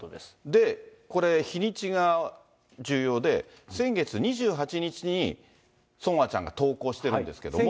で、これ、日にちが重要で、先月２８日にソンアちゃんが投稿してるんですけれども。